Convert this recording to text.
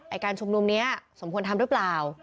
การชุมนุมนี้สมควรทำหรือเปล่า